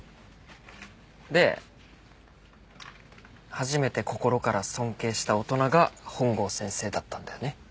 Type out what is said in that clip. で初めて心から尊敬した大人が本郷先生だったんだよね。